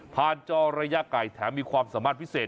จอระยะไก่แถมมีความสามารถพิเศษ